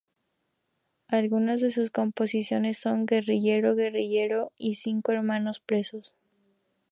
Algunas de sus composiciones son: "Guerrillero guerrillero" y "Cinco hermanos presos".